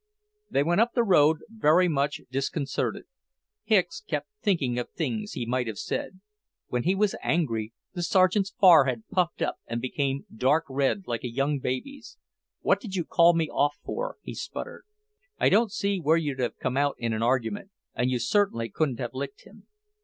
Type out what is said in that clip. They went up the road very much disconcerted. Hicks kept thinking of things he might have said. When he was angry, the Sergeant's forehead puffed up and became dark red, like a young baby's. "What did you call me off for?" he sputtered. "I don't see where you'd have come out in an argument, and you certainly couldn't have licked him."